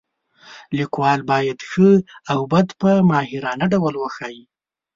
لیکوال باید ښه او بد په ماهرانه ډول وښایي.